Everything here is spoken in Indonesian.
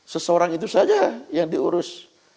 seseorang itu saja yang diurus